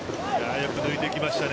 よく抜いてきましたね。